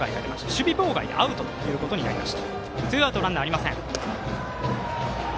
守備妨害でアウトということになりました。